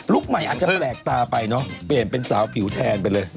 ใหม่อาจจะแปลกตาไปเนอะเปลี่ยนเป็นสาวผิวแทนไปเลย